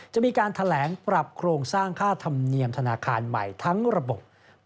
จะมีการแถลงปรับโครงสร้างค่าธรรมเนียมธนาคารใหม่ทั้งระบบ